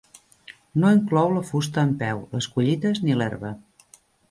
No inclou la fusta en peu, les collites ni l'herba.